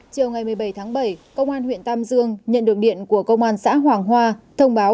chiều ngày một mươi bảy tháng bảy công an huyện tam dương nhận được điện của công an xã hoàng hoa thông báo